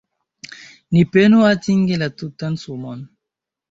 Ni penu atingi la tutan sumon.